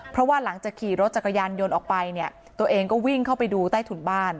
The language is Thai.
เพราะว่าหลังจากขี่รถจักรยานยนต์ออกไปเนี่ยตัวเองก็วิ่งเข้าไปดูใต้ถุนบ้าน